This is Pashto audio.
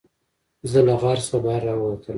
زه له غار څخه بهر راووتلم.